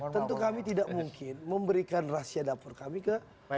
tentu kami tidak mungkin memberikan rahasia dapur kami ke